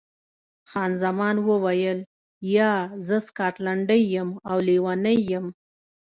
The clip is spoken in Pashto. خان زمان وویل، یا، زه سکاټلنډۍ یم او لیونۍ یم.